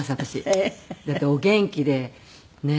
えっ？だってお元気でねえ。